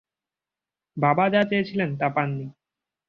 বাবা যা চেয়েছিলেন তা পাননি।